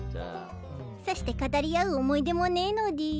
さして語り合う思い出もねえのでぃす。